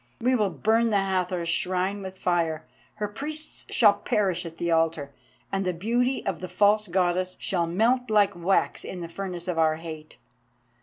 We will burn the Hathor's Shrine with fire, her priests shall perish at the altar, and the beauty of the false Goddess shall melt like wax in the furnace of our hate.